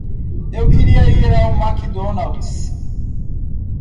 Eu queria ir ao McDonald's.